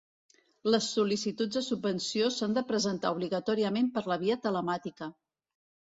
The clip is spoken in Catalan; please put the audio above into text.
Les sol·licituds de subvenció s'han de presentar obligatòriament per la via telemàtica.